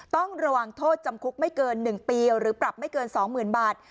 ต้องระวังโทษจำคุกไม่เกิน๑ปีหรือปรับไม่เกิน๒๐๐๐บาท